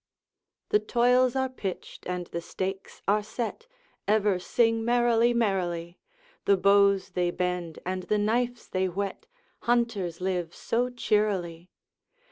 'The toils are pitched, and the stakes are set, Ever sing merrily, merrily; The bows they bend, and the knives they whet, Hunters live so cheerily.